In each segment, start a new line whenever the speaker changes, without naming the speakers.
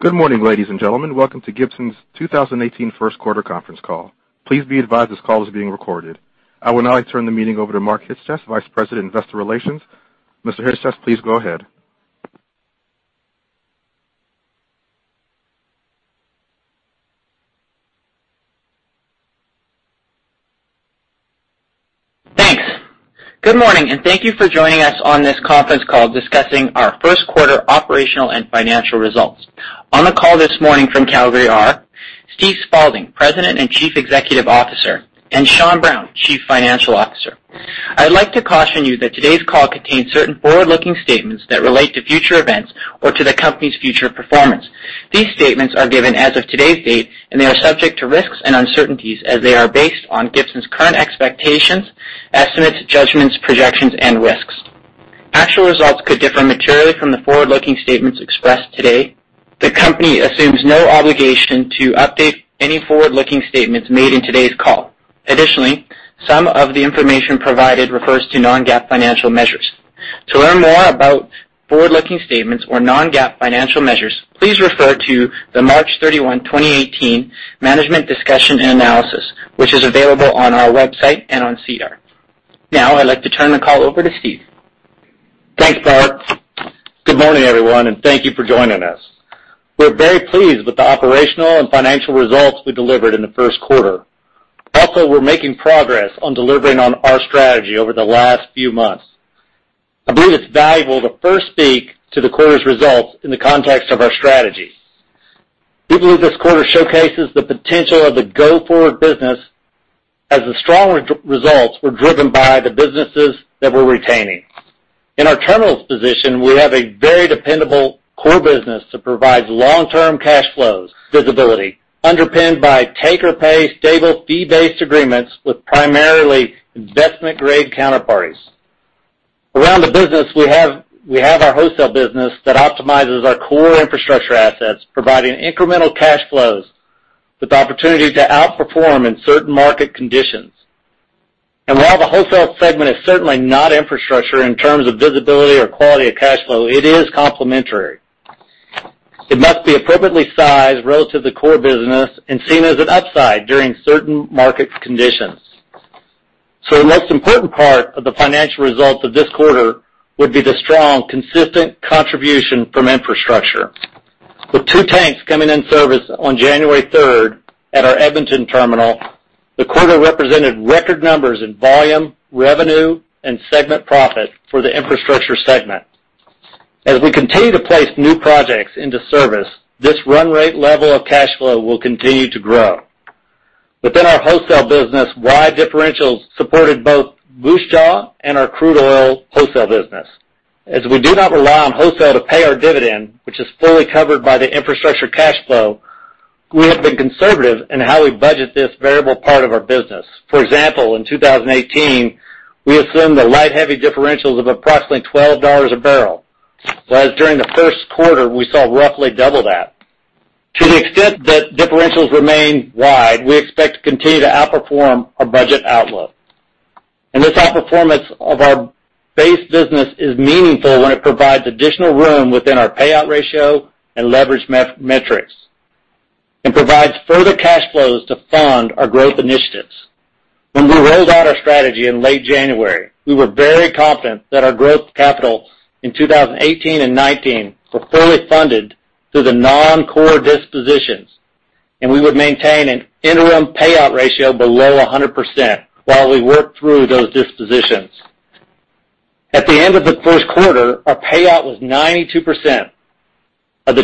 Good morning, ladies and gentlemen. Welcome to Gibson's 2018 first quarter conference call. Please be advised this call is being recorded. I would now like to turn the meeting over to Mark Chyc-Cies, Vice President, Investor Relations. Mr. Chyc-Cies, please go ahead.
Thanks. Good morning. Thank you for joining us on this conference call discussing our first quarter operational and financial results. On the call this morning from Calgary are Steve Spaulding, President and Chief Executive Officer, and Sean Brown, Chief Financial Officer. I'd like to caution you that today's call contains certain forward-looking statements that relate to future events or to the company's future performance. These statements are given as of today's date, and they are subject to risks and uncertainties as they are based on Gibson's current expectations, estimates, judgments, projections, and risks. Actual results could differ materially from the forward-looking statements expressed today. The company assumes no obligation to update any forward-looking statements made in today's call. Additionally, some of the information provided refers to non-GAAP financial measures. To learn more about forward-looking statements or non-GAAP financial measures, please refer to the March 31, 2018 Management Discussion and Analysis, which is available on our website and on SEDAR. I'd like to turn the call over to Steve.
Thanks, Mark. Good morning, everyone. Thank you for joining us. We're very pleased with the operational and financial results we delivered in the first quarter. We're making progress on delivering on our strategy over the last few months. I believe it's valuable to first speak to the quarter's results in the context of our strategy. We believe this quarter showcases the potential of the go-forward business as the stronger results were driven by the businesses that we're retaining. In our terminals position, we have a very dependable core business that provides long-term cash flows visibility, underpinned by take-or-pay stable fee-based agreements with primarily investment-grade counterparties. Around the business, we have our wholesale business that optimizes our core infrastructure assets, providing incremental cash flows with the opportunity to outperform in certain market conditions. While the wholesale segment is certainly not infrastructure in terms of visibility or quality of cash flow, it is complementary. It must be appropriately sized relative to the core business and seen as an upside during certain market conditions. The most important part of the financial results of this quarter would be the strong, consistent contribution from infrastructure. With two tanks coming in service on January 3rd at our Edmonton terminal, the quarter represented record numbers in volume, revenue, and segment profit for the infrastructure segment. As we continue to place new projects into service, this run rate level of cash flow will continue to grow. Within our wholesale business, wide differentials supported both Moose Jaw and our crude oil wholesale business. We do not rely on wholesale to pay our dividend, which is fully covered by the infrastructure cash flow, we have been conservative in how we budget this variable part of our business. For example, in 2018, we assumed that light heavy differentials of approximately 12 dollars a barrel. Whereas during the first quarter, we saw roughly double that. To the extent that differentials remain wide, we expect to continue to outperform our budget outlook. This outperformance of our base business is meaningful when it provides additional room within our payout ratio and leverage metrics and provides further cash flows to fund our growth initiatives. When we rolled out our strategy in late January, we were very confident that our growth capital in 2018 and 2019 were fully funded through the non-core dispositions, and we would maintain an interim payout ratio below 100% while we work through those dispositions. At the end of the first quarter, our payout was 92% on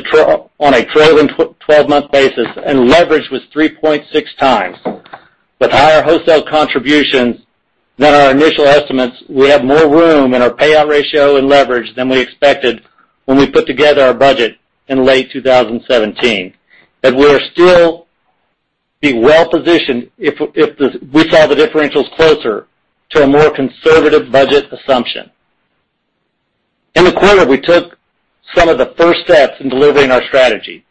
a trailing 12-month basis, and leverage was 3.6 times. With higher wholesale contributions than our initial estimates, we have more room in our payout ratio and leverage than we expected when we put together our budget in late 2017. We'll still be well-positioned if we saw the differentials closer to a more conservative budget assumption. In the quarter, we took some of the first steps in delivering our strategy.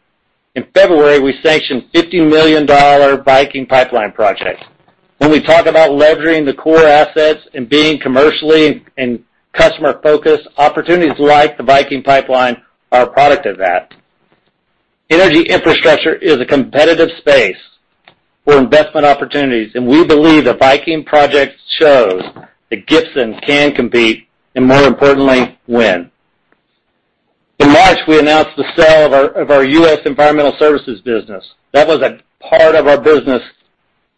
In February, we sanctioned a 50 million dollar Viking Pipeline project. When we talk about leveraging the core assets and being commercially and customer-focused, opportunities like the Viking Pipeline are a product of that. Energy infrastructure is a competitive space for investment opportunities, and we believe the Viking project shows that Gibson can compete, and more importantly, win. In March, we announced the sale of our U.S. Environmental Services business. That was a part of our business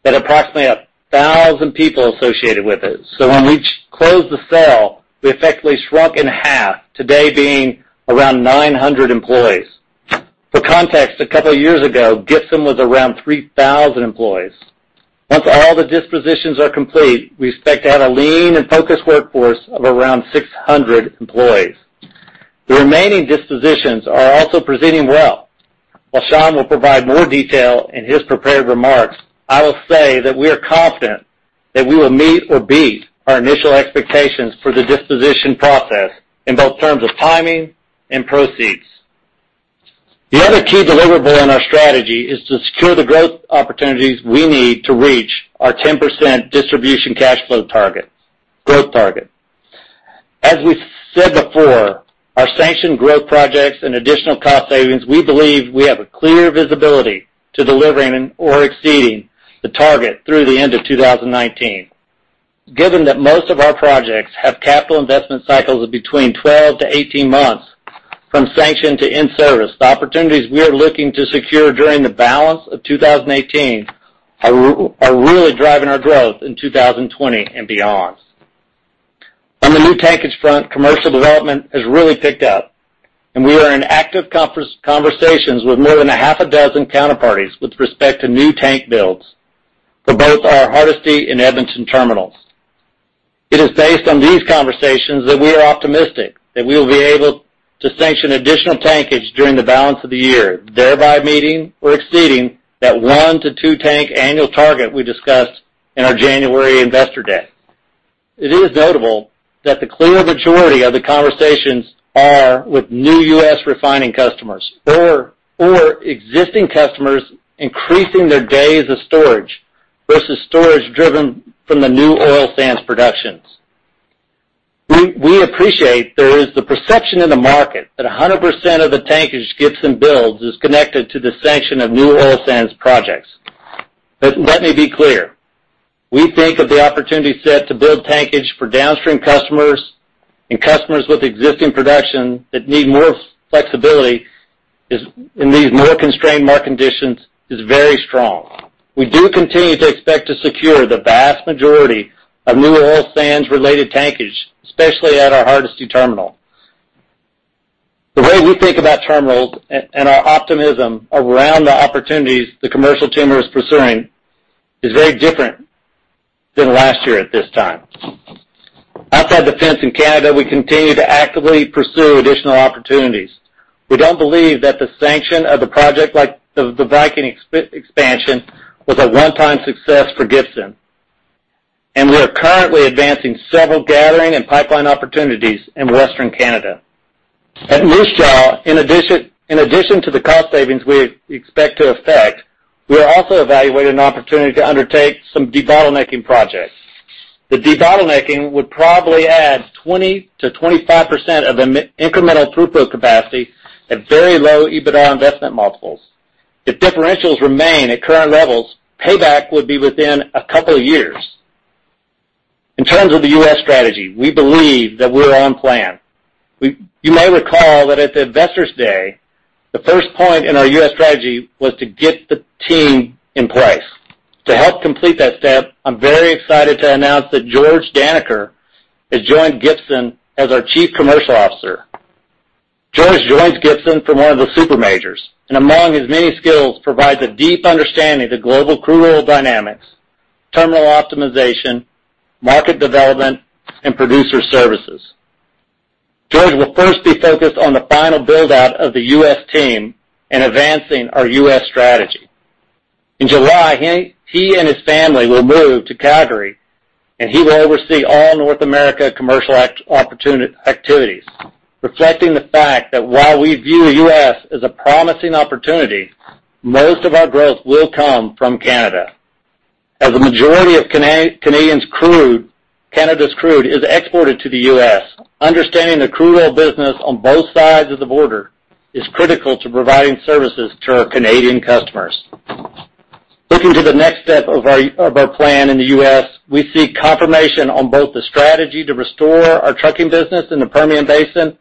that approximately 1,000 people associated with it. When we closed the sale, we effectively shrunk in half, today being around 900 employees. For context, a couple of years ago, Gibson was around 3,000 employees. Once all the dispositions are complete, we expect to have a lean and focused workforce of around 600 employees. The remaining dispositions are also proceeding well. Sean will provide more detail in his prepared remarks, I will say that we are confident that we will meet or beat our initial expectations for the disposition process in both terms of timing and proceeds. The other key deliverable in our strategy is to secure the growth opportunities we need to reach our 10% distributable cash flow growth target. As we've said before, our sanctioned growth projects and additional cost savings, we believe we have a clear visibility to delivering or exceeding the target through the end of 2019. Given that most of our projects have capital investment cycles of between 12-18 months from sanction to in-service, the opportunities we are looking to secure during the balance of 2018 are really driving our growth in 2020 and beyond. On the new tankage front, commercial development has really picked up, and we are in active conversations with more than a half a dozen counterparties with respect to new tank builds for both our Hardisty and Edmonton terminals. It is based on these conversations that we are optimistic that we will be able to sanction additional tankage during the balance of the year, thereby meeting or exceeding that 1-2 tank annual target we discussed in our January investor day. It is notable that the clear majority of the conversations are with new U.S. refining customers or existing customers increasing their days of storage versus storage driven from the new oil sands productions. We appreciate there is the perception in the market that 100% of the tankage Gibson builds is connected to the sanction of new oil sands projects. Let me be clear, we think of the opportunity set to build tankage for downstream customers and customers with existing production that need more flexibility in these more constrained market conditions is very strong. We do continue to expect to secure the vast majority of new oil sands-related tankage, especially at our Hardisty terminal. The way we think about terminals and our optimism around the opportunities the commercial team is pursuing is very different than last year at this time. Outside the fence in Canada, we continue to actively pursue additional opportunities. We don't believe that the sanction of a project like the Viking expansion was a one-time success for Gibson, and we are currently advancing several gathering and pipeline opportunities in Western Canada. At Moose Jaw, in addition to the cost savings we expect to affect, we are also evaluating an opportunity to undertake some debottlenecking projects. The debottlenecking would probably add 20%-25% of incremental throughput capacity at very low EBITDA investment multiples. If differentials remain at current levels, payback would be within a couple of years. In terms of the U.S. strategy, we believe that we're on plan. You may recall that at the Investors Day, the first point in our U.S. strategy was to get the team in place. To help complete that step, I'm very excited to announce that George Danaher has joined Gibson as our Chief Commercial Officer. George joins Gibson from one of the super majors, and among his many skills, provides a deep understanding of the global crude oil dynamics, terminal optimization, market development, and producer services. George will first be focused on the final build-out of the U.S. team and advancing our U.S. strategy. In July, he and his family will move to Calgary, and he will oversee all North America commercial activities, reflecting the fact that while we view U.S. as a promising opportunity, most of our growth will come from Canada. As a majority of Canada's crude is exported to the U.S., understanding the crude oil business on both sides of the border is critical to providing services to our Canadian customers. Looking to the next step of our plan in the U.S., we see confirmation on both the strategy to restore our trucking business in the Permian Basin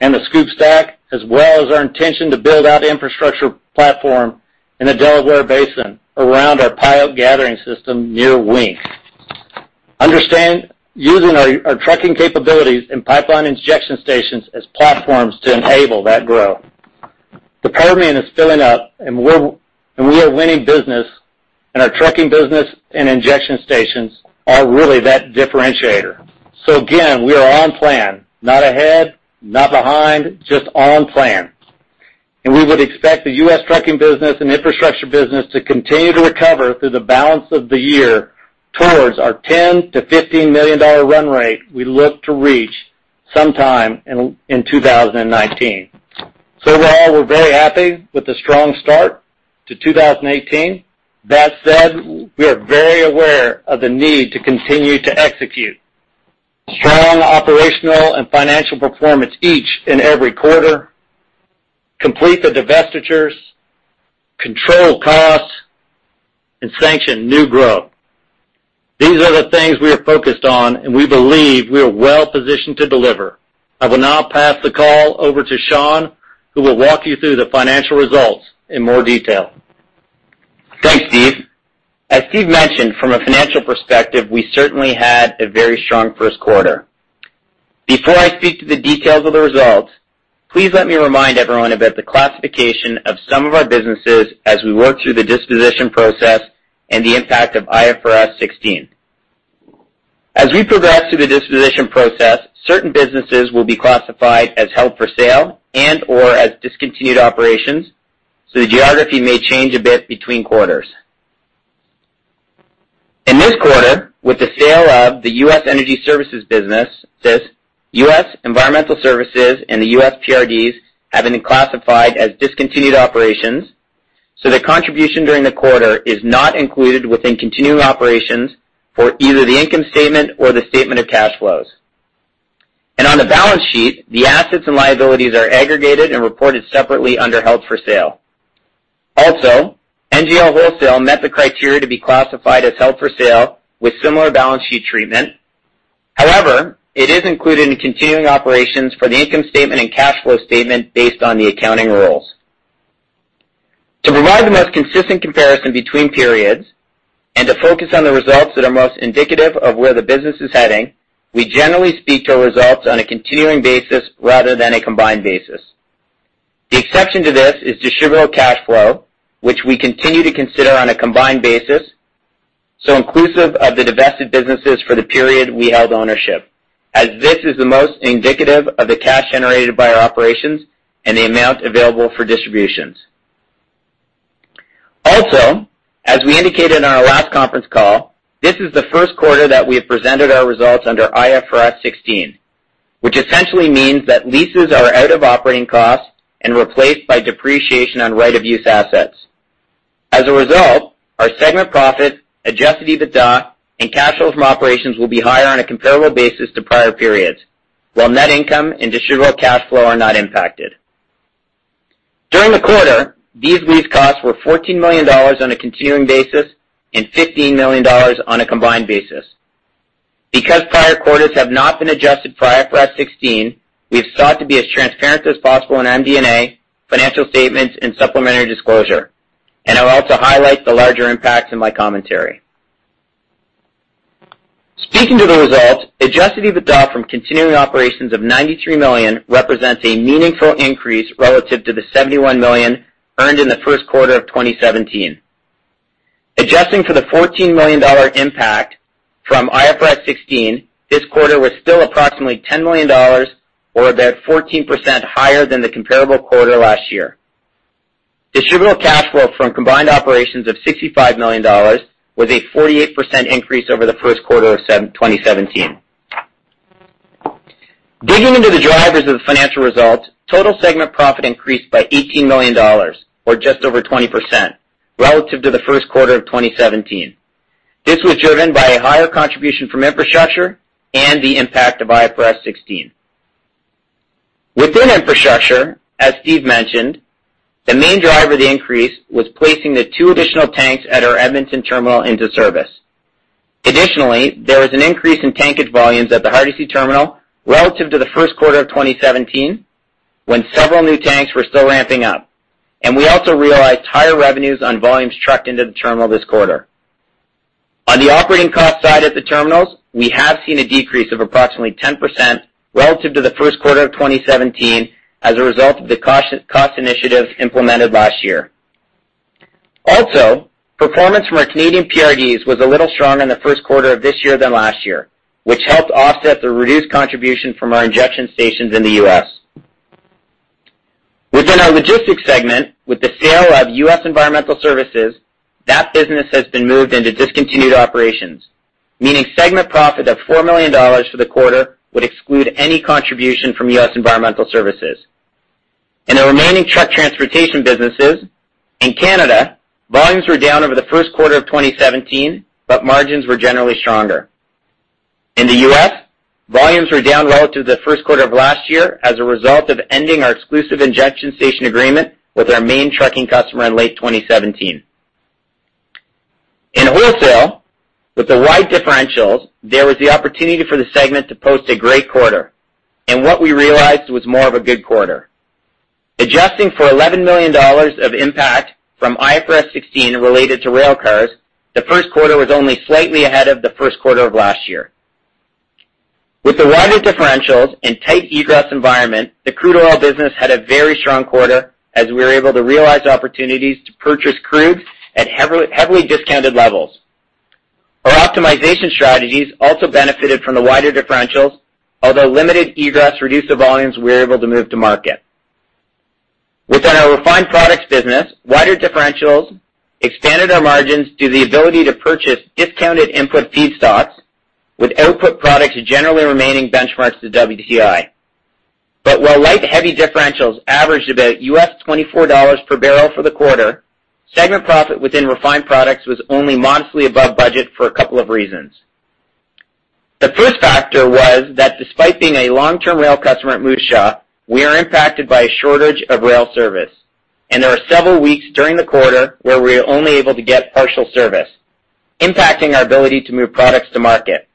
and the SCOOP/STACK, as well as our intention to build out infrastructure platform in the Delaware Basin around our pilot gathering system near Wink. Using our trucking capabilities and pipeline injection stations as platforms to enable that growth. The Permian is filling up, and we are winning business, and our trucking business and injection stations are really that differentiator. Again, we are on plan, not ahead, not behind, just on plan. We would expect the U.S. trucking business and infrastructure business to continue to recover through the balance of the year towards our 10 million-15 million dollar run rate we look to reach sometime in 2019. Overall, we're very happy with the strong start to 2018. That said, we are very aware of the need to continue to execute strong operational and financial performance each and every quarter, complete the divestitures, control costs, and sanction new growth. These are the things we are focused on, and we believe we are well-positioned to deliver. I will now pass the call over to Sean, who will walk you through the financial results in more detail.
Thanks, Steve. As Steve mentioned, from a financial perspective, we certainly had a very strong first quarter. Before I speak to the details of the results, please let me remind everyone about the classification of some of our businesses as we work through the disposition process and the impact of IFRS 16. As we progress through the disposition process, certain businesses will be classified as held for sale and/or as discontinued operations, the geography may change a bit between quarters. In this quarter, with the sale of the U.S. energy services business, U.S. Environmental Services, and the U.S. PRDs have been classified as discontinued operations. The contribution during the quarter is not included within continuing operations for either the income statement or the statement of cash flows. On the balance sheet, the assets and liabilities are aggregated and reported separately under held for sale. Also, NGL Wholesale met the criteria to be classified as held for sale with similar balance sheet treatment. However, it is included in continuing operations for the income statement and cash flow statement based on the accounting rules. To provide the most consistent comparison between periods and to focus on the results that are most indicative of where the business is heading, we generally speak to our results on a continuing basis rather than a combined basis. The exception to this is distributable cash flow, which we continue to consider on a combined basis, so inclusive of the divested businesses for the period we held ownership, as this is the most indicative of the cash generated by our operations and the amount available for distributions. Also, as we indicated on our last conference call, this is the first quarter that we have presented our results under IFRS 16, which essentially means that leases are out of operating costs and replaced by depreciation on right-of-use assets. As a result, our segment profit, adjusted EBITDA, and cash flow from operations will be higher on a comparable basis to prior periods. While net income and distributable cash flow are not impacted. During the quarter, these lease costs were 14 million dollars on a continuing basis and 15 million dollars on a combined basis. Because prior quarters have not been adjusted for IFRS 16, we have sought to be as transparent as possible in MD&A, financial statements, and supplementary disclosure, and I'll also highlight the larger impacts in my commentary. Speaking to the results, adjusted EBITDA from continuing operations of 93 million represents a meaningful increase relative to the 71 million earned in the first quarter of 2017. Adjusting for the 14 million dollar impact from IFRS 16, this quarter was still approximately 10 million dollars or about 14% higher than the comparable quarter last year. Distributable cash flow from combined operations of 65 million dollars was a 48% increase over the first quarter of 2017. Digging into the drivers of the financial results, total segment profit increased by 18 million dollars or just over 20% relative to the first quarter of 2017. This was driven by a higher contribution from infrastructure and the impact of IFRS 16. Within infrastructure, as Steve mentioned, the main driver of the increase was placing the two additional tanks at our Edmonton terminal into service. Additionally, there was an increase in tankage volumes at the Hardisty terminal relative to the first quarter of 2017, when several new tanks were still ramping up. We also realized higher revenues on volumes trucked into the terminal this quarter. On the operating cost side at the terminals, we have seen a decrease of approximately 10% relative to the first quarter of 2017 as a result of the cost initiatives implemented last year. Also, performance from our Canadian PRDs was a little stronger in the first quarter of this year than last year, which helped offset the reduced contribution from our injection stations in the U.S. Within our logistics segment, with the sale of U.S. Environmental Services, that business has been moved into discontinued operations, meaning segment profit of 4 million dollars for the quarter would exclude any contribution from U.S. Environmental Services. In the remaining truck transportation businesses, in Canada, volumes were down over the first quarter of 2017, but margins were generally stronger. In the U.S., volumes were down relative to the first quarter of last year as a result of ending our exclusive injection station agreement with our main trucking customer in late 2017. In wholesale, with the wide differentials, there was the opportunity for the segment to post a great quarter. What we realized was more of a good quarter. Adjusting for 11 million dollars of impact from IFRS 16 related to railcars, the first quarter was only slightly ahead of the first quarter of last year. With the wider differentials and tight egress environment, the crude oil business had a very strong quarter as we were able to realize opportunities to purchase crude at heavily discounted levels. Our optimization strategies also benefited from the wider differentials, although limited egress reduced the volumes we were able to move to market. Within our refined products business, wider differentials expanded our margins due to the ability to purchase discounted input feedstocks with output products generally remaining benchmarks to WTI. While light heavy differentials averaged about $24 per barrel for the quarter, segment profit within refined products was only modestly above budget for a couple of reasons. The first factor was that despite being a long-term rail customer at Moose Jaw, we are impacted by a shortage of rail service, and there were several weeks during the quarter where we were only able to get partial service, impacting our ability to move products to market.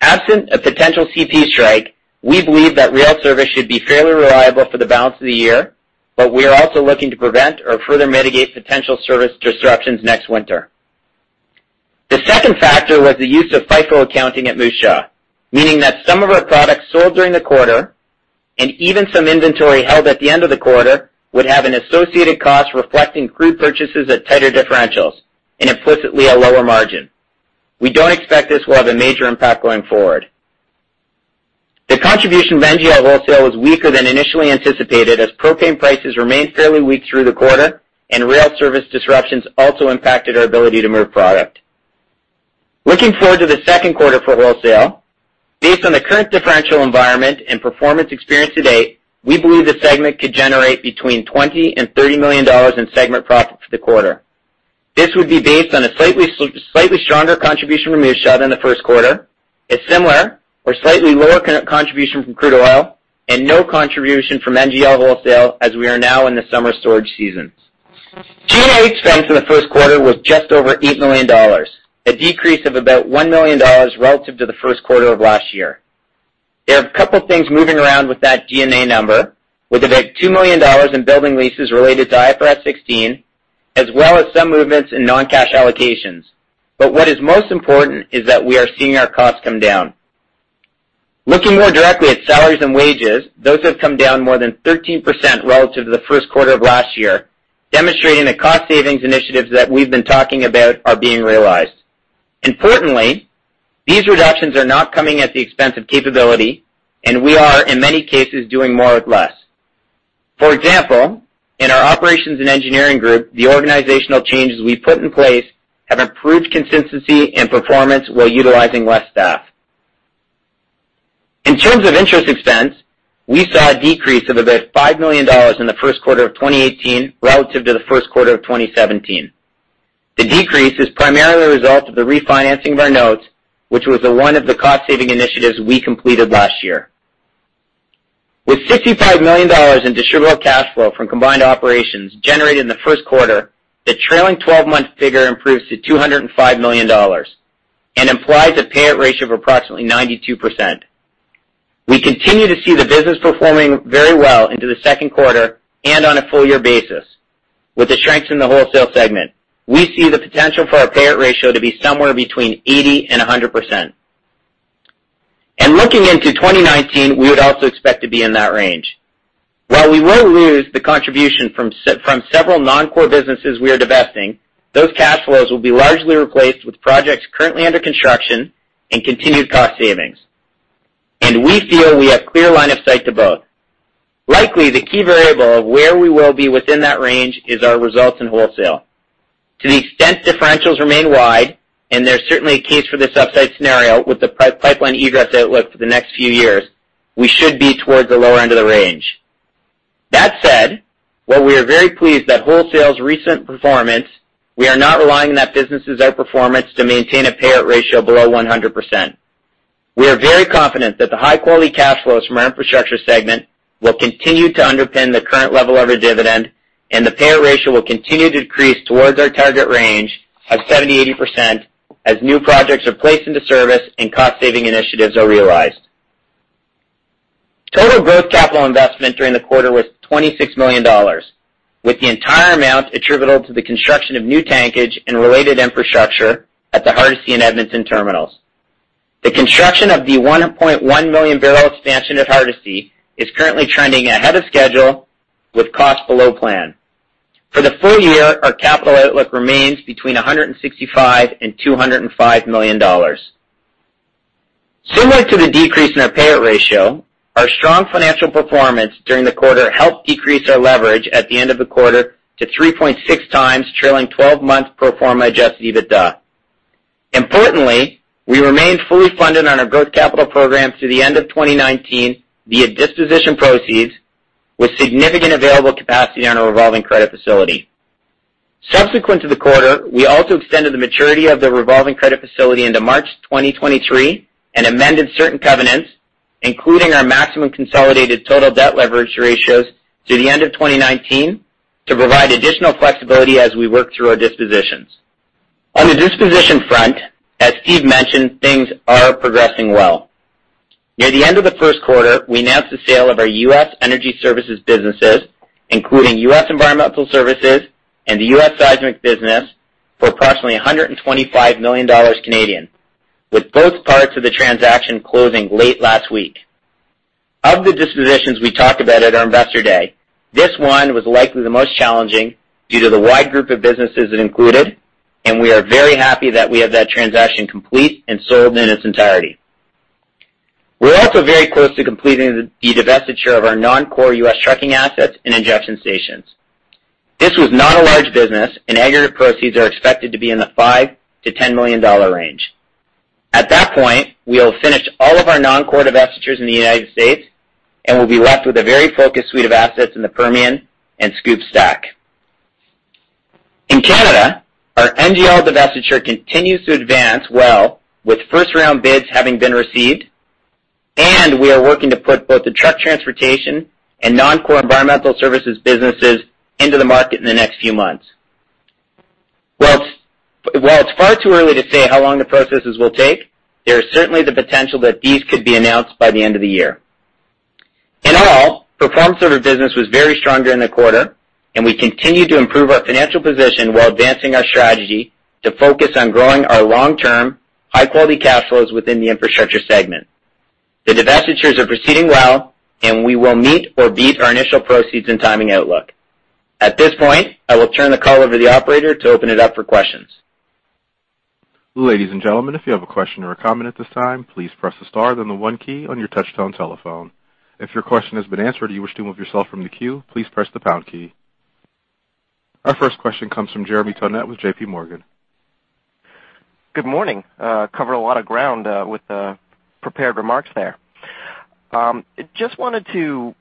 Absent a potential CP strike, we believe that rail service should be fairly reliable for the balance of the year, but we are also looking to prevent or further mitigate potential service disruptions next winter. The second factor was the use of FIFO accounting at Moose Jaw, meaning that some of our products sold during the quarter and even some inventory held at the end of the quarter would have an associated cost reflecting crude purchases at tighter differentials and implicitly a lower margin. We don't expect this will have a major impact going forward. The contribution of NGL Wholesale was weaker than initially anticipated as propane prices remained fairly weak through the quarter, and rail service disruptions also impacted our ability to move product. Looking forward to the second quarter for wholesale. Based on the current differential environment and performance experience to date, we believe the segment could generate between 20 million and 30 million dollars in segment profit for the quarter. This would be based on a slightly stronger contribution from Moose Jaw in the first quarter, a similar or slightly lower contribution from crude oil, and no contribution from NGL Wholesale as we are now in the summer storage season. G&A expense in the first quarter was just over 8 million dollars, a decrease of about 1 million dollars relative to the first quarter of last year. There are a couple things moving around with that G&A number, with about CAD 2 million in building leases related to IFRS 16, as well as some movements in non-cash allocations. What is most important is that we are seeing our costs come down. Looking more directly at salaries and wages, those have come down more than 13% relative to the first quarter of last year, demonstrating the cost savings initiatives that we've been talking about are being realized. Importantly, these reductions are not coming at the expense of capability, and we are, in many cases, doing more with less. For example, in our operations and engineering group, the organizational changes we've put in place have improved consistency and performance while utilizing less staff. In terms of interest expense, we saw a decrease of about 5 million dollars in the first quarter of 2018 relative to the first quarter of 2017. The decrease is primarily a result of the refinancing of our notes, which was one of the cost-saving initiatives we completed last year. With 65 million dollars in distributable cash flow from combined operations generated in the first quarter, the trailing 12-month figure improves to 205 million dollars and implies a payout ratio of approximately 92%. We continue to see the business performing very well into the second quarter and on a full-year basis. With the strengths in the wholesale segment, we see the potential for our payout ratio to be somewhere between 80% and 100%. Looking into 2019, we would also expect to be in that range. While we will lose the contribution from several non-core businesses we are divesting, those cash flows will be largely replaced with projects currently under construction and continued cost savings. We feel we have clear line of sight to both. Likely, the key variable of where we will be within that range is our results in wholesale. To the extent differentials remain wide, there's certainly a case for this upside scenario with the pipeline egress outlook for the next few years, we should be towards the lower end of the range. That said, while we are very pleased at wholesale's recent performance, we are not relying on that business' outperformance to maintain a payout ratio below 100%. We are very confident that the high-quality cash flows from our infrastructure segment will continue to underpin the current level of our dividend, and the payout ratio will continue to decrease towards our target range of 70%-80% as new projects are placed into service and cost-saving initiatives are realized. Total growth capital investment during the quarter was 26 million dollars, with the entire amount attributable to the construction of new tankage and related infrastructure at the Hardisty and Edmonton terminals. The construction of the 1.1 million barrel expansion at Hardisty is currently trending ahead of schedule with costs below plan. For the full year, our capital outlook remains between 165 million and 205 million dollars. Similar to the decrease in our payout ratio, our strong financial performance during the quarter helped decrease our leverage at the end of the quarter to 3.6 times trailing 12-month pro forma adjusted EBITDA. Importantly, we remain fully funded on our growth capital programs through the end of 2019 via disposition proceeds with significant available capacity on our revolving credit facility. Subsequent to the quarter, we also extended the maturity of the revolving credit facility into March 2023 and amended certain covenants, including our maximum consolidated total debt leverage ratios through the end of 2019 to provide additional flexibility as we work through our dispositions. On the disposition front, as Steve mentioned, things are progressing well. Near the end of the first quarter, we announced the sale of our U.S. energy services businesses, including U.S. Environmental Services and the U.S. Seismic business, for approximately 125 million Canadian dollars, with both parts of the transaction closing late last week. Of the dispositions we talked about at our Investor Day, this one was likely the most challenging due to the wide group of businesses it included. We are very happy that we have that transaction complete and sold in its entirety. We're also very close to completing the divestiture of our non-core U.S. trucking assets and injection stations. This was not a large business, and aggregate proceeds are expected to be in the 5 million-10 million dollar range. At that point, we'll finish all of our non-core divestitures in the U.S. and will be left with a very focused suite of assets in the Permian and SCOOP/STACK. In Canada, our NGL divestiture continues to advance well with first-round bids having been received, and we are working to put both the truck transportation and non-core environmental services businesses into the market in the next few months. While it's far too early to say how long the processes will take, there is certainly the potential that these could be announced by the end of the year. In all, performance of our business was very strong during the quarter, and we continue to improve our financial position while advancing our strategy to focus on growing our long-term, high-quality cash flows within the infrastructure segment. The divestitures are proceeding well, and we will meet or beat our initial proceeds and timing outlook. At this point, I will turn the call over to the operator to open it up for questions.
Ladies and gentlemen, if you have a question or a comment at this time, please press the star then the one key on your touch-tone telephone. If your question has been answered or you wish to remove yourself from the queue, please press the pound key. Our first question comes from Jeremy Tonet with JPMorgan.
Good morning. Covered a lot of ground with the prepared remarks there. Just wanted to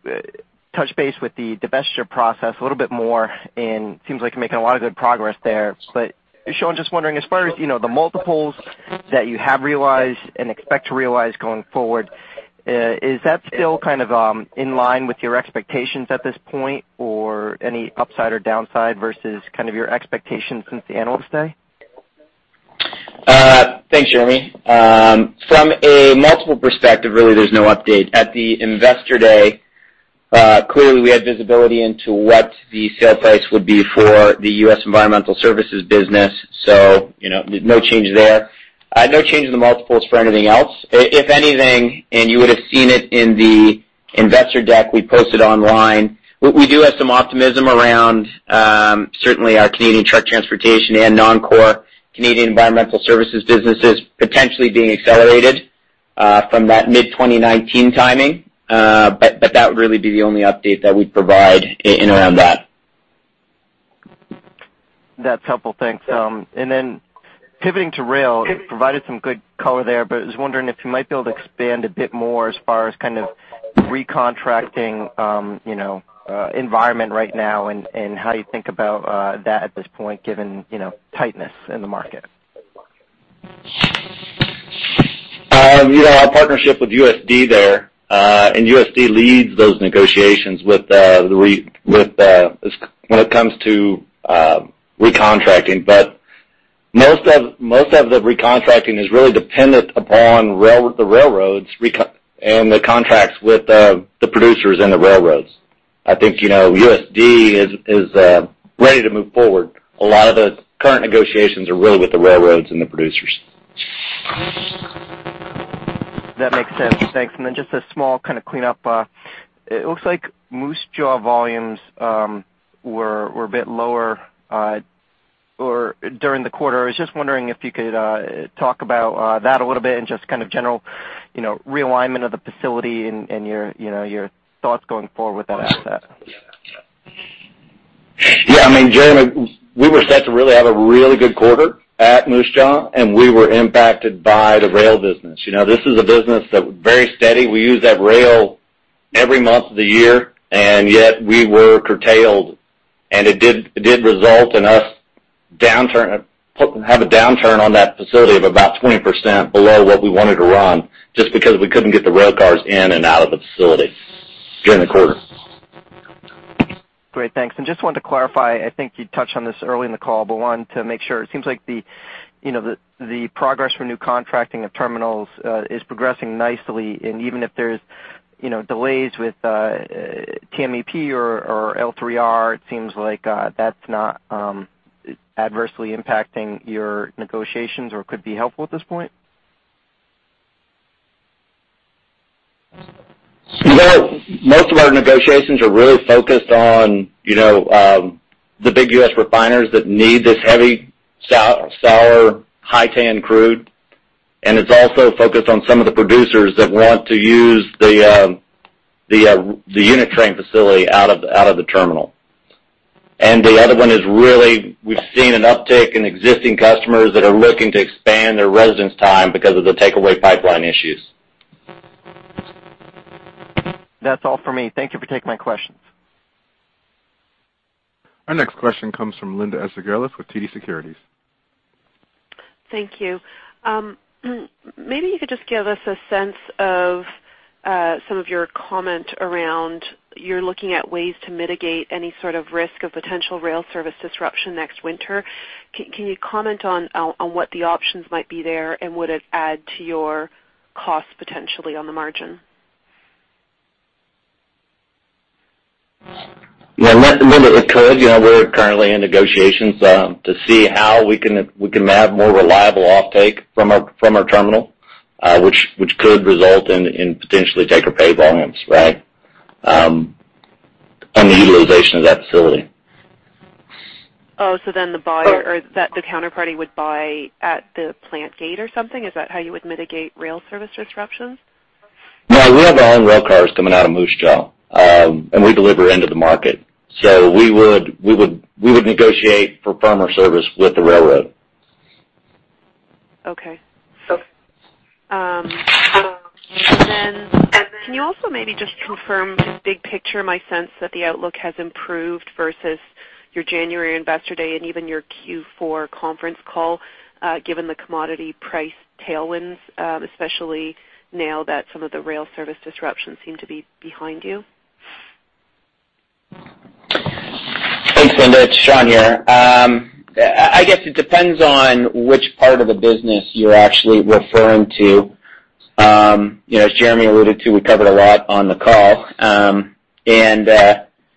touch base with the divestiture process a little bit more. Seems like you're making a lot of good progress there. Sean, just wondering, as far as the multiples that you have realized and expect to realize going forward, is that still kind of in line with your expectations at this point? Or any upside or downside versus kind of your expectations since the Analyst Day?
Thanks, Jeremy. From a multiple perspective, really, there's no update. At the Investor Day, clearly we had visibility into what the sale price would be for the U.S. Environmental Services business. No change there. No change in the multiples for anything else. If anything, and you would've seen it in the investor deck we posted online, we do have some optimism around certainly our Canadian truck transportation and non-core Canadian environmental services businesses potentially being accelerated from that mid-2019 timing. That would really be the only update that we'd provide in and around that.
That's helpful. Thanks. Pivoting to rail, provided some good color there, but I was wondering if you might be able to expand a bit more as far as kind of recontracting environment right now, and how you think about that at this point, given tightness in the market.
Our partnership with USD there, and USD leads those negotiations when it comes to recontracting. Most of the recontracting is really dependent upon the railroads and the contracts with the producers and the railroads. I think USD is ready to move forward. A lot of the current negotiations are really with the railroads and the producers.
That makes sense. Thanks. Just a small kind of cleanup. It looks like Moose Jaw volumes were a bit lower during the quarter. I was just wondering if you could talk about that a little bit and just kind of general realignment of the facility and your thoughts going forward with that asset.
Yeah. Jeremy, we were set to really have a really good quarter at Moose Jaw, yet we were curtailed. It did result in us have a downturn on that facility of about 20% below what we wanted to run, just because we couldn't get the rail cars in and out of the facility during the quarter.
Great. Thanks. Just wanted to clarify, I think you touched on this early in the call, wanted to make sure. It seems like the progress for new contracting of terminals is progressing nicely. Even if there's delays with TMEP or L3R, it seems like that's not adversely impacting your negotiations or could be helpful at this point?
Most of our negotiations are really focused on the big U.S. refiners that need this heavy sour high TAN crude. It's also focused on some of the producers that want to use the unit train facility out of the terminal. The other one is really, we've seen an uptick in existing customers that are looking to expand their residence time because of the takeaway pipeline issues.
That's all for me. Thank you for taking my questions.
Our next question comes from Linda Ezergailis with TD Securities.
Thank you. Maybe you could just give us a sense of some of your comment around you're looking at ways to mitigate any sort of risk of potential rail service disruption next winter. Would it add to your cost potentially on the margin?
Yeah, Linda, it could. We're currently in negotiations to see how we can have more reliable offtake from our terminal, which could result in potentially take-or-pay volumes, right? On the utilization of that facility.
Oh, the buyer or that the counterparty would buy at the plant gate or something? Is that how you would mitigate rail service disruptions?
No, we have our own rail cars coming out of Moose Jaw. We deliver into the market. We would negotiate for firmer service with the railroad.
Okay. Can you also maybe just confirm big picture, my sense that the outlook has improved versus your January Investor Day and even your Q4 conference call, given the commodity price tailwinds, especially now that some of the rail service disruptions seem to be behind you?
Thanks, Linda. It's Sean here. I guess it depends on which part of the business you're actually referring to. As Jeremy alluded to, we covered a lot on the call.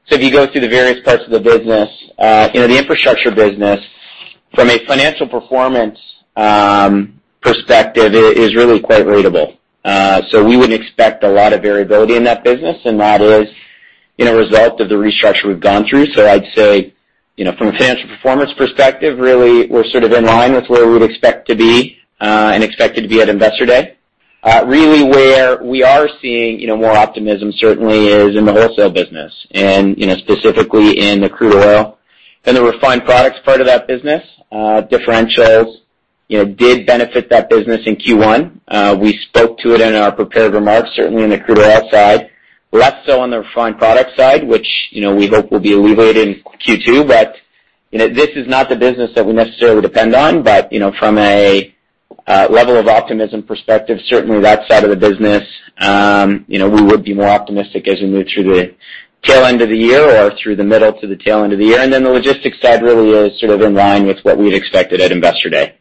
If you go through the various parts of the business, the infrastructure business from a financial performance perspective is really quite predictable. We wouldn't expect a lot of variability in that business, and that is a result of the restructure we've gone through. I'd say, from a financial performance perspective, really, we're sort of in line with where we'd expect to be, and expected to be at Investor Day. Really where we are seeing more optimism certainly is in the Wholesale business, and specifically in the crude oil and the refined products part of that business. Differentials did benefit that business in Q1. We spoke to it in our prepared remarks, certainly on the crude oil side, less so on the refined product side, which we hope will be alleviated in Q2. This is not the business that we necessarily depend on. From a level of optimism perspective, certainly that side of the business, we would be more optimistic as we move through the tail end of the year or through the middle to the tail end of the year. The logistics side really is sort of in line with what we'd expected at Investor Day.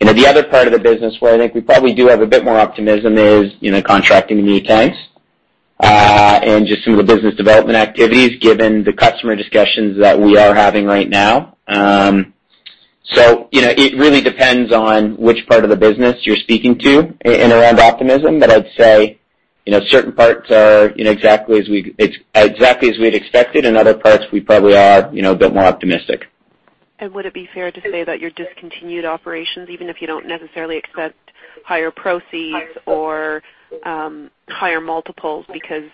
The other part of the business where I think we probably do have a bit more optimism is, contracting new tanks, and just some of the business development activities, given the customer discussions that we are having right now. It really depends on which part of the business you're speaking to in and around optimism. I'd say, certain parts are exactly as we'd expected, and other parts, we probably are a bit more optimistic.
Would it be fair to say that your discontinued operations, even if you don't necessarily expect higher proceeds or higher multiples, because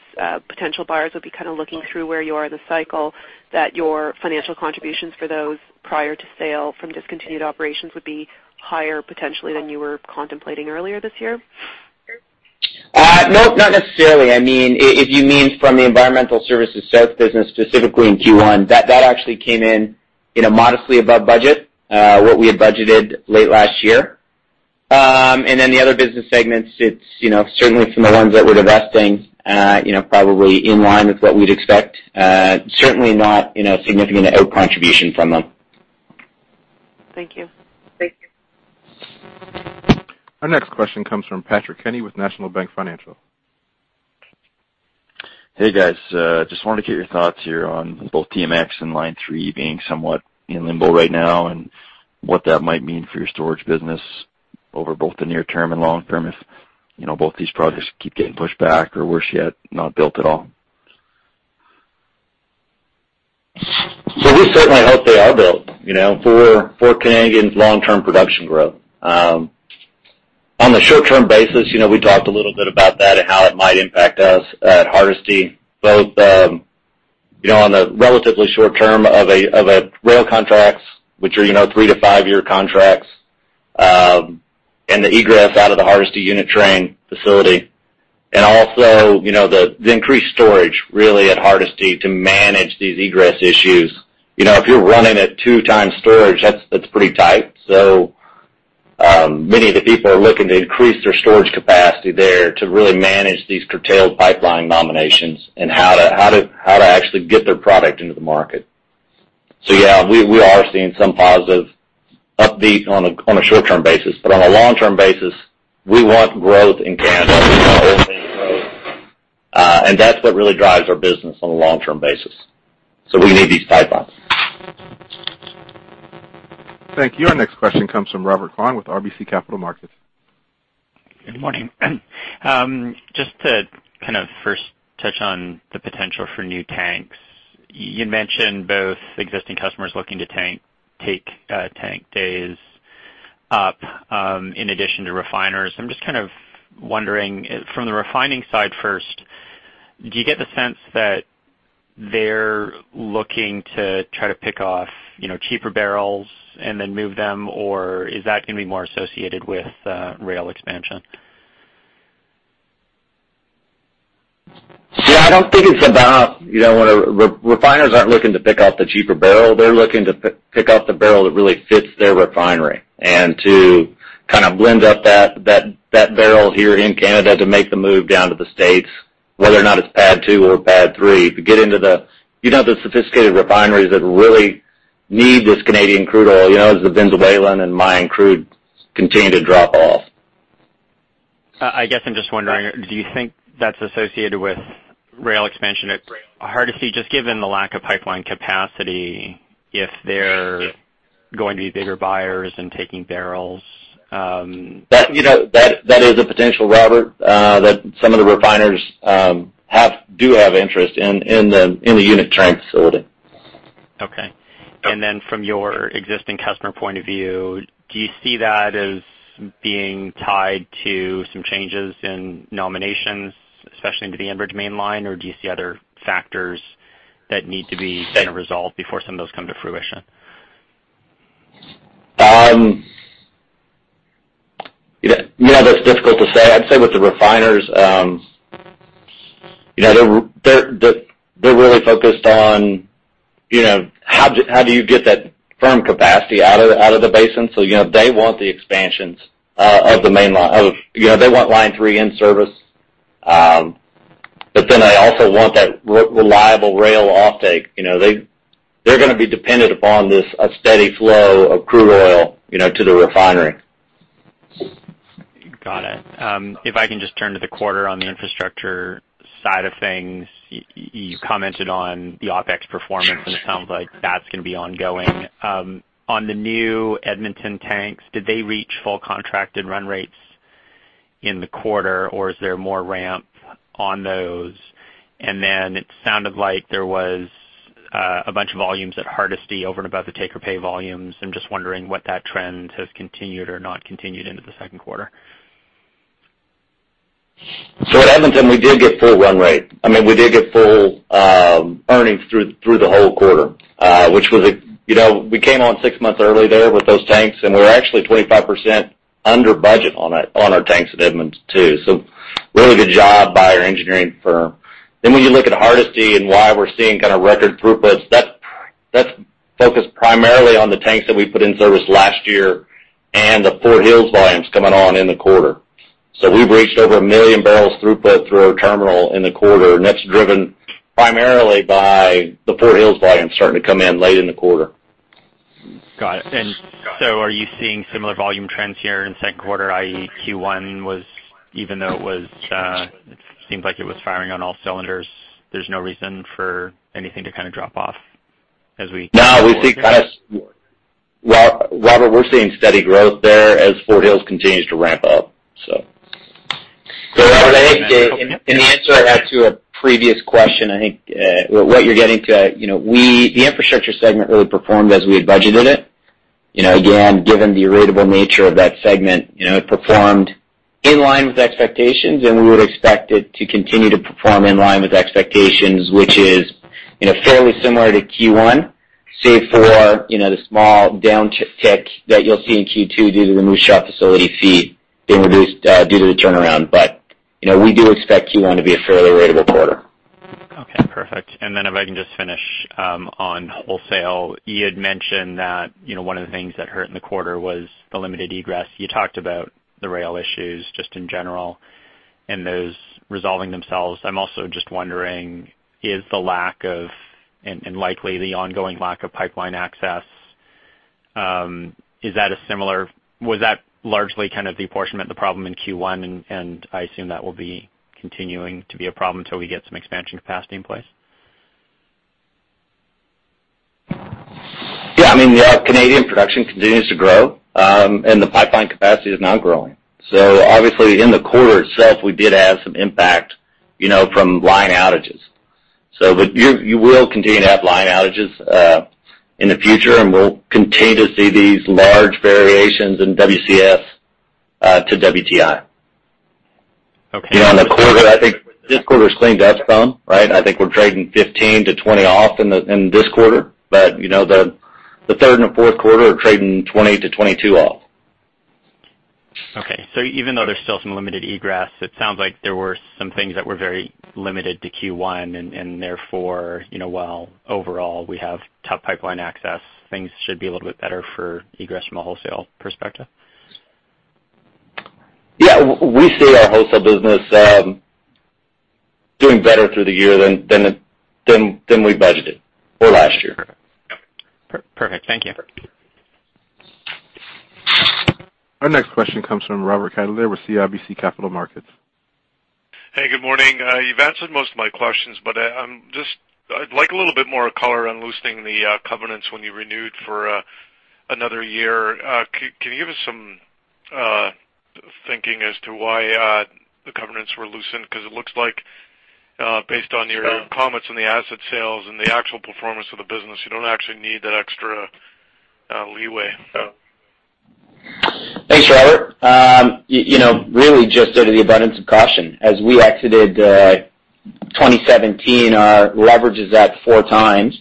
potential buyers will be kind of looking through where you are in the cycle, that your financial contributions for those prior to sale from discontinued operations would be higher potentially than you were contemplating earlier this year?
No, not necessarily. If you mean from the Environmental Services service business, specifically in Q1, that actually came in modestly above budget, what we had budgeted late last year. The other business segments, certainly from the ones that we're divesting, probably in line with what we'd expect. Certainly not significant out contribution from them.
Thank you.
Our next question comes from Patrick Kenny with National Bank Financial.
Hey, guys. Just wanted to get your thoughts here on both TMX and Line 3 being somewhat in limbo right now and what that might mean for your storage business over both the near term and long term if both these projects keep getting pushed back or worse yet, not built at all.
We certainly hope they are built, for Canadians' long-term production growth. On the short-term basis, we talked a little bit about that and how it might impact us at Hardisty, both on the relatively short term of rail contracts, which are 3 to 5-year contracts, and the egress out of the Hardisty unit train facility. The increased storage really at Hardisty to manage these egress issues. If you're running at two times storage, that's pretty tight. Many of the people are looking to increase their storage capacity there to really manage these curtailed pipeline nominations and how to actually get their product into the market. Yeah, we are seeing some positive upbeat on a short-term basis. On a long-term basis, we want growth in Canada. We want oil growth. That's what really drives our business on a long-term basis.
We need these pipelines.
Thank you. Our next question comes from Robert Kwan with RBC Capital Markets.
Good morning. Just to kind of first touch on the potential for new tanks. You'd mentioned both existing customers looking to take tank days up in addition to refiners. I'm just kind of wondering, from the refining side first, do you get the sense that they're looking to try to pick off cheaper barrels and then move them, or is that going to be more associated with rail expansion?
Yeah, Refiners aren't looking to pick off the cheaper barrel. They're looking to pick off the barrel that really fits their refinery and to kind of blend up that barrel here in Canada to make the move down to the States, whether or not it's PADD 2 or PADD 3. To get into the sophisticated refineries that really need this Canadian crude oil, as the Venezuelan and Maya crude continue to drop off.
I guess I'm just wondering, do you think that's associated with rail expansion at Hardisty, just given the lack of pipeline capacity, if they're going to be bigger buyers and taking barrels?
That is a potential, Robert, that some of the refiners do have interest in the unit train facility.
Okay. Then from your existing customer point of view, do you see that as being tied to some changes in nominations, especially into the Enbridge main line, or do you see other factors that need to be kind of resolved before some of those come to fruition?
That's difficult to say. I'd say with the refiners, they're really focused on how do you get that firm capacity out of the basin. They want the expansions of the main line. They want Line 3 in service. They also want that reliable rail offtake. They're going to be dependent upon this steady flow of crude oil to the refinery.
Got it. If I can just turn to the quarter on the infrastructure side of things, you commented on the OpEx performance, it sounds like that's going to be ongoing. On the new Edmonton tanks, did they reach full contracted run rates in the quarter, or is there more ramp on those? It sounded like there was a bunch of volumes at Hardisty over and above the take-or-pay volumes. I'm just wondering what that trend has continued or not continued into the second quarter.
At Edmonton, we did get full run rate. We did get full earnings through the whole quarter. We came on six months early there with those tanks, and we are actually 25% under budget on our tanks at Edmonton, too. Really good job by our engineering firm. When you look at Hardisty and why we are seeing kind of record throughputs, that is focused primarily on the tanks that we put in service last year and the Fort Hills volumes coming on in the quarter. We have reached over 1 million barrels throughput through our terminal in the quarter, and that is driven primarily by the Fort Hills volume starting to come in late in the quarter.
Got it. Are you seeing similar volume trends here in the second quarter, i.e., Q1, even though it seemed like it was firing on all cylinders, there is no reason for anything to kind of drop off as we-
No, Robert, we are seeing steady growth there as Fort Hills continues to ramp up.
In answer to a previous question, I think what you're getting to, the infrastructure segment really performed as we had budgeted it. Again, given the predictable nature of that segment, it performed in line with expectations, and we would expect it to continue to perform in line with expectations, which is fairly similar to Q1, save for the small downtick that you will see in Q2 due to the Moose Jaw facility feed being reduced due to the turnaround. We do expect Q1 to be a fairly predictable quarter.
Okay, perfect. Then if I can just finish on wholesale. You had mentioned that one of the things that hurt in the quarter was the limited egress. You talked about the rail issues just in general and those resolving themselves. I'm also just wondering, is the lack of, and likely the ongoing lack of pipeline access, was that largely kind of the apportionment of the problem in Q1? I assume that will be continuing to be a problem till we get some expansion capacity in place.
Yeah. Canadian production continues to grow, the pipeline capacity is not growing. Obviously, in the quarter itself, we did have some impact from line outages. You will continue to have line outages in the future, we'll continue to see these large variations in WCS to WTI.
Okay.
In the quarter, I think this quarter's cleaned up some, right? I think we're trading 15-20 off in this quarter. The third and the fourth quarter are trading 20-22 off.
Okay. Even though there's still some limited egress, it sounds like there were some things that were very limited to Q1, therefore, while overall we have tough pipeline access, things should be a little bit better for egress from a wholesale perspective.
Yeah. We see our wholesale business doing better through the year than we budgeted for last year.
Perfect. Thank you.
Our next question comes from Robert Catellier with CIBC Capital Markets.
Hey, good morning. You've answered most of my questions, I'd like a little bit more color on loosening the covenants when you renewed for another year. Can you give us some thinking as to why the covenants were loosened? It looks like based on your comments on the asset sales and the actual performance of the business, you don't actually need that extra leeway.
Thanks, Robert. Really just out of the abundance of caution. As we exited 2017, our leverage is at 4 times.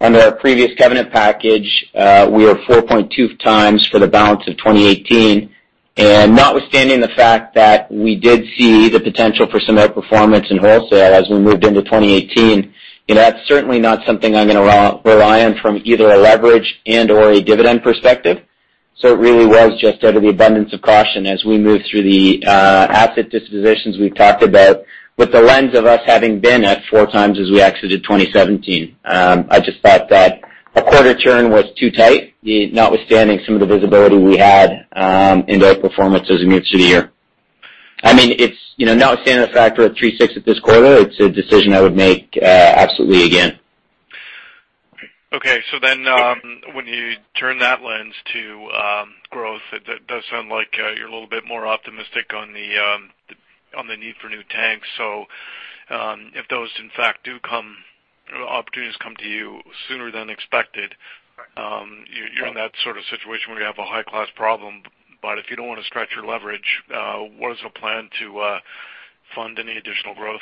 Under our previous covenant package, we are 4.2 times for the balance of 2018. Notwithstanding the fact that we did see the potential for some outperformance in wholesale as we moved into 2018, that's certainly not something I'm going to rely on from either a leverage and/or a dividend perspective. It really was just out of the abundance of caution as we moved through the asset dispositions we've talked about with the lens of us having been at 4 times as we exited 2017. I just thought that a quarter turn was too tight, notwithstanding some of the visibility we had in the outperformance as we moved through the year. Notwithstanding the fact we're at 3.6 at this quarter, it's a decision I would make absolutely again.
Okay. When you turn that lens to growth, it does sound like you're a little bit more optimistic on the need for new tanks. If those, in fact, opportunities come to you sooner than expected, you're in that sort of situation where you have a high-class problem. If you don't want to stretch your leverage, what is the plan to fund any additional growth?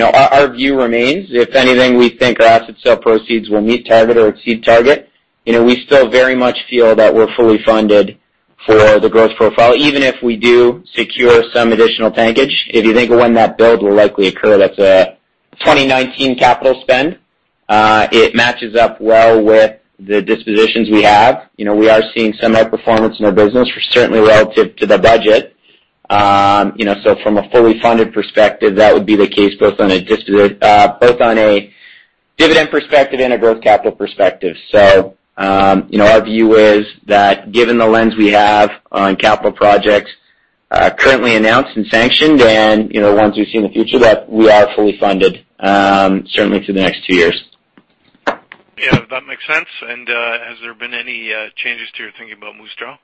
Our view remains, if anything, we think our asset sale proceeds will meet target or exceed target. We still very much feel that we're fully funded for the growth profile, even if we do secure some additional tankage. If you think of when that build will likely occur, that's a 2019 capital spend. It matches up well with the dispositions we have. We are seeing some outperformance in our business certainly relative to the budget. From a fully funded perspective, that would be the case both on a dividend perspective and a growth capital perspective. Our view is that given the lens we have on capital projects currently announced and sanctioned and ones we see in the future, that we are fully funded, certainly through the next 2 years.
That makes sense. Has there been any changes to your thinking about Moose Jaw,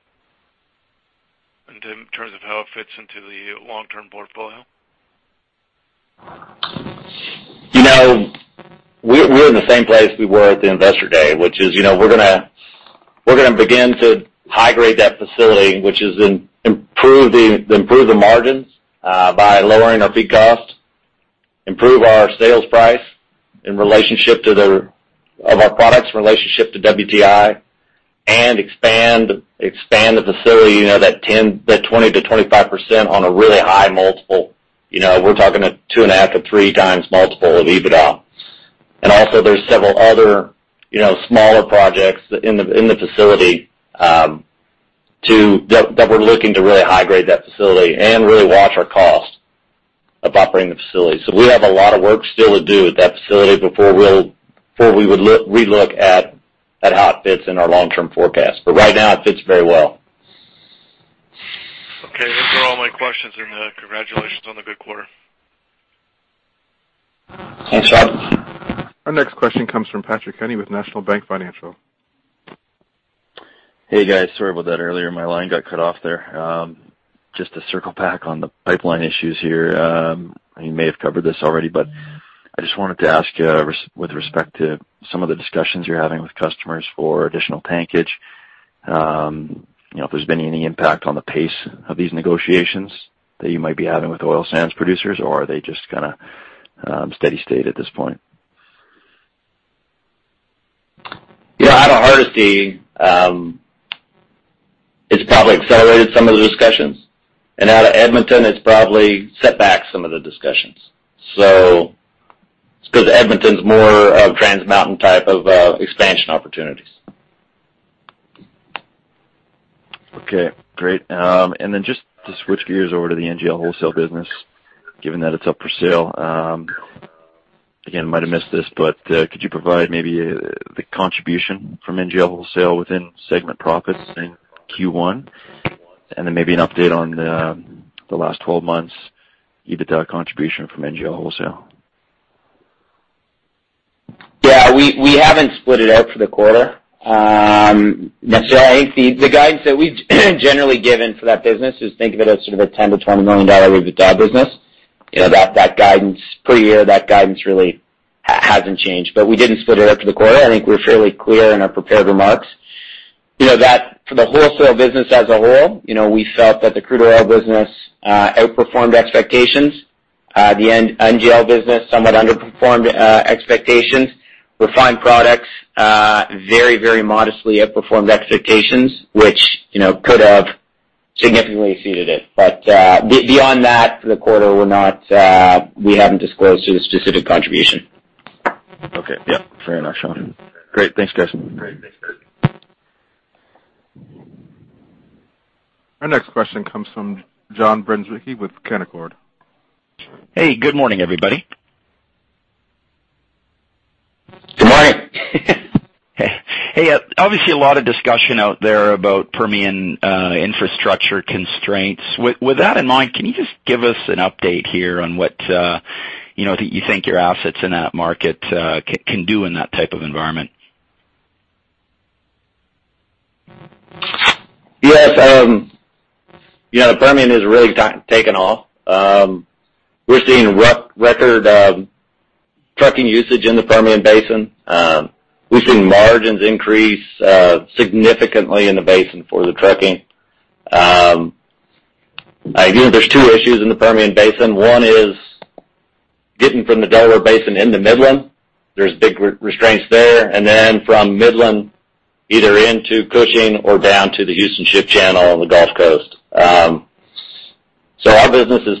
in terms of how it fits into the long-term portfolio?
We're in the same place we were at the investor day, which is we're going to begin to high-grade that facility, which is improve the margins by lowering our feed cost, improve our sales price of our products in relationship to WTI, expand the facility, that 20%-25% on a really high multiple. We're talking a 2.5x-3x multiple of EBITDA. Also, there's several other smaller projects in the facility that we're looking to really high-grade that facility and really watch our cost of operating the facility. We have a lot of work still to do at that facility before we look at how it fits in our long-term forecast. Right now, it fits very well.
Okay. Those are all my questions. Congratulations on the good quarter.
Thanks, Rob.
Our next question comes from Patrick Kenny with National Bank Financial.
Hey, guys. Sorry about that earlier. My line got cut off there. Just to circle back on the pipeline issues here. You may have covered this already, but I just wanted to ask you with respect to some of the discussions you're having with customers for additional tankage. If there's been any impact on the pace of these negotiations that you might be having with oil sands producers, or are they just kind of steady state at this point?
Yeah. Out of Hardisty, it's probably accelerated some of the discussions, and out of Edmonton, it's probably set back some of the discussions. It's because Edmonton's more of Trans Mountain type of expansion opportunities.
Okay, great. Just to switch gears over to the NGL Wholesale business, given that it's up for sale. Again, might have missed this, but could you provide maybe the contribution from NGL Wholesale within segment profits in Q1? Maybe an update on the last 12 months EBITDA contribution from NGL Wholesale?
Yeah. We haven't split it out for the quarter necessarily. The guidance that we've generally given for that business is think of it as sort of a 10 million-20 million dollar EBITDA business. That guidance per year really hasn't changed. We didn't split it out for the quarter. I think we're fairly clear in our prepared remarks. That for the wholesale business as a whole, we felt that the crude oil business outperformed expectations. The NGL business somewhat underperformed expectations. Refined products very modestly outperformed expectations, which could have significantly exceeded it. Beyond that, for the quarter, we haven't disclosed to the specific contribution.
Okay. Yeah. Fair enough, Sean. Great. Thanks, guys.
Our next question comes from John Bereznick with Canaccord.
Hey, good morning, everybody.
Good morning.
Hey. A lot of discussion out there about Permian infrastructure constraints. With that in mind, can you just give us an update here on what you think your assets in that market can do in that type of environment?
Yes. The Permian has really taken off. We're seeing record trucking usage in the Permian Basin. We've seen margins increase significantly in the basin for the trucking. I think there's two issues in the Permian Basin. One is getting from the Delaware Basin into Midland. There's big restraints there. From Midland, either into Cushing or down to the Houston Ship Channel on the Gulf Coast. Our business is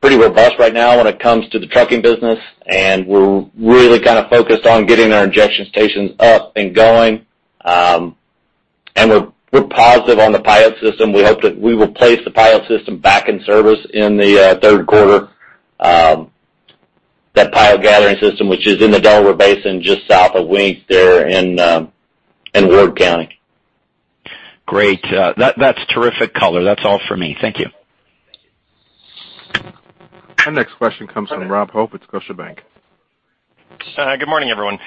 pretty robust right now when it comes to the trucking business, and we're really focused on getting our injection stations up and going. We're positive on the pilot system. We hope that we will place the pilot system back in service in the third quarter. That pilot gathering system, which is in the Delaware Basin, just south of Wink there in Ward County.
Great. That's terrific color. That's all for me. Thank you.
Our next question comes from Robert Hope at Scotiabank.
Good morning, everyone.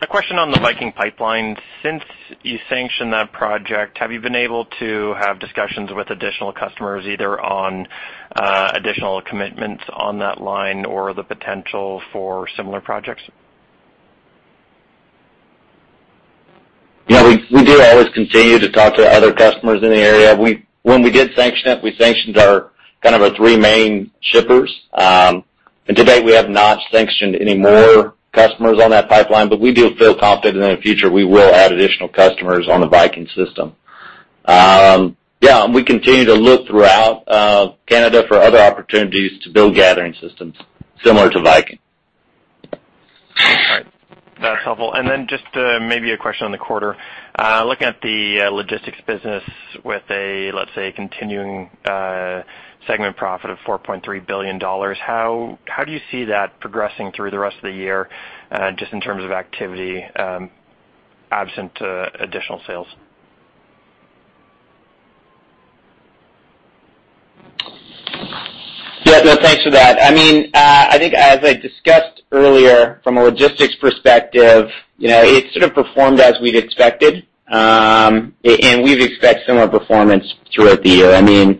A question on the Viking Pipeline. Since you sanctioned that project, have you been able to have discussions with additional customers, either on additional commitments on that line or the potential for similar projects?
We do always continue to talk to other customers in the area. When we did sanction it, we sanctioned our three main shippers. To date, we have not sanctioned any more customers on that pipeline, but we do feel confident that in the future, we will add additional customers on the Viking system. We continue to look throughout Canada for other opportunities to build gathering systems similar to Viking.
All right. That's helpful. Just maybe a question on the quarter. Looking at the logistics business with a, let's say, continuing segment profit of 4.3 billion dollars, how do you see that progressing through the rest of the year, just in terms of activity absent additional sales?
Yeah. No, thanks for that. I think as I discussed earlier, from a logistics perspective, it sort of performed as we'd expected. We expect similar performance throughout the year.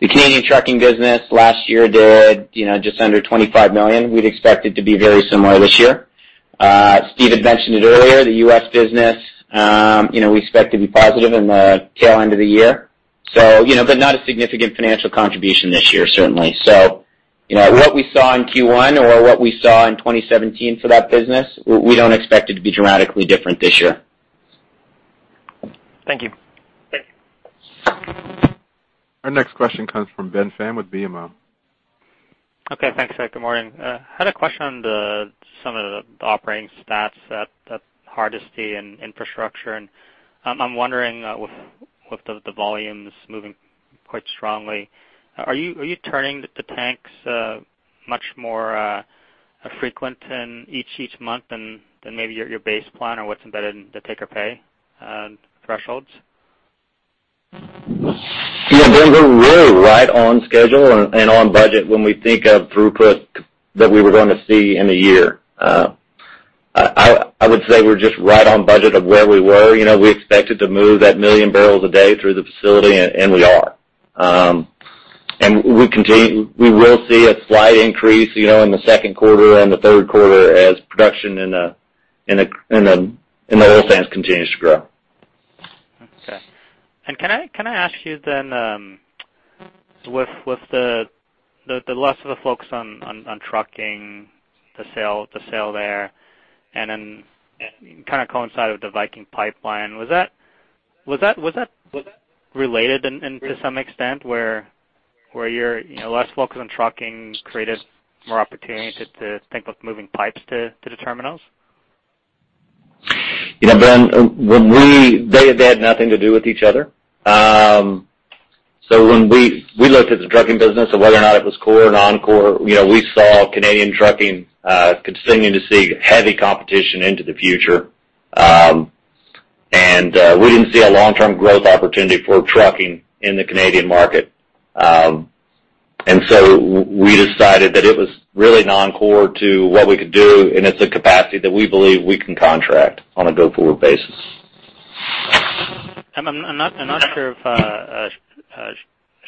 The Canadian trucking business last year did just under 25 million. We'd expect it to be very similar this year. Steve had mentioned it earlier, the U.S. business, we expect to be positive in the tail end of the year. Not a significant financial contribution this year, certainly. What we saw in Q1 or what we saw in 2017 for that business, we don't expect it to be dramatically different this year.
Thank you.
Our next question comes from Ben Pham with BMO.
Okay, thanks. Good morning. I had a question on some of the operating stats at Hardisty and Infrastructure. I'm wondering with the volumes moving quite strongly, are you turning the tanks much more frequent in each month than maybe your base plan, or what's embedded in the take-or-pay thresholds?
Ben, we're really right on schedule and on budget when we think of throughput that we were going to see in a year. I would say we're just right on budget of where we were. We expected to move that million barrels a day through the facility, and we are. We will see a slight increase in the second quarter and the third quarter as production in the oil sands continues to grow.
Okay. Can I ask you, with the less of the focus on trucking, the sale there, and kind of coincide with the Viking Pipeline, was that related in to some extent, where your less focus on trucking created more opportunity to think of moving pipes to the terminals?
Ben, they had nothing to do with each other. When we looked at the trucking business of whether or not it was core or non-core, we saw Canadian trucking continuing to see heavy competition into the future. We didn't see a long-term growth opportunity for trucking in the Canadian market. We decided that it was really non-core to what we could do, and it's a capacity that we believe we can contract on a go-forward basis.
I'm not sure if,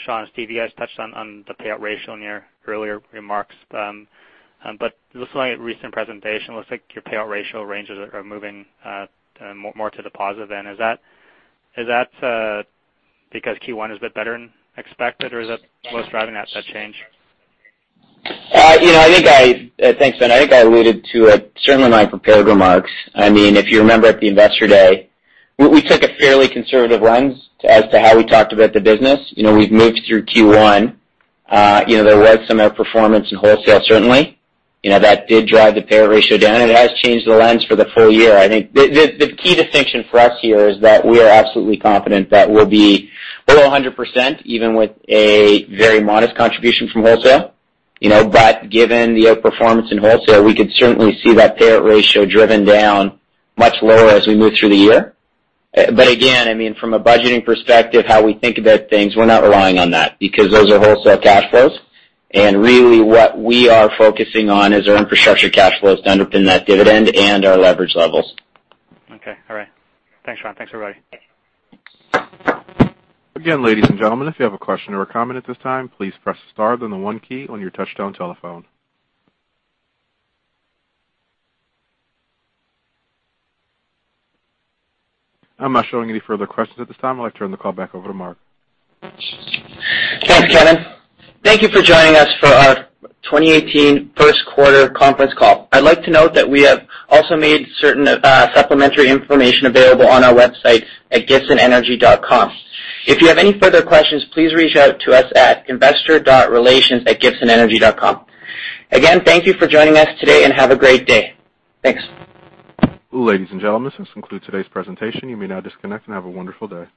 Sean or Steve, you guys touched on the payout ratio in your earlier remarks. It looks like recent presentation, looks like your payout ratio ranges are moving more to the positive end. Is that because Q1 is a bit better than expected or is that what's driving that change?
Thanks, Ben. I think I alluded to it certainly in my prepared remarks. If you remember at the Investor Day, we took a fairly conservative lens as to how we talked about the business. We've moved through Q1. There was some outperformance in wholesale, certainly. That did drive the payout ratio down, and it has changed the lens for the full year. I think the key distinction for us here is that we are absolutely confident that we'll be below 100%, even with a very modest contribution from wholesale. Given the outperformance in wholesale, we could certainly see that payout ratio driven down much lower as we move through the year. Again, from a budgeting perspective, how we think about things, we're not relying on that because those are wholesale cash flows. Really what we are focusing on is our infrastructure cash flows to underpin that dividend and our leverage levels.
Okay. All right. Thanks, Sean. Thanks, everybody.
Again, ladies and gentlemen, if you have a question or a comment at this time, please press star then the one key on your touch-tone telephone. I'm not showing any further questions at this time. I'd like to turn the call back over to Mark.
Thanks, Kevin. Thank you for joining us for our 2018 first quarter conference call. I'd like to note that we have also made certain supplementary information available on our website at gibsonenergy.com. If you have any further questions, please reach out to us at investor.relations@gibsonenergy.com. Again, thank you for joining us today, and have a great day. Thanks.
Ladies and gentlemen, this concludes today's presentation. You may now disconnect, and have a wonderful day.